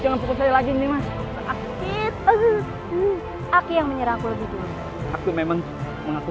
jangan pukul lagi nih mas aku yang menyerah aku gitu aku memang mengaku